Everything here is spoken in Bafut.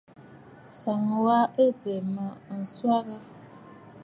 Ǹsɔŋ wa wa ɨ bè mə a ntswaà.